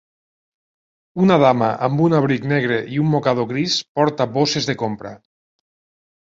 Una dama amb un abric negre i un mocador gris porta bosses de compra.